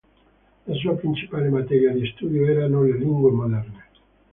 La sua principale materia di studio erano le lingue moderne.